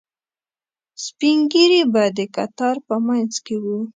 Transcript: سپینږیري به د کتار په منځ کې وو.